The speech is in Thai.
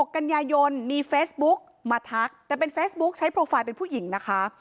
กันยายนมีเฟซบุ๊กมาทักแต่เป็นเฟซบุ๊คใช้โปรไฟล์เป็นผู้หญิงนะคะ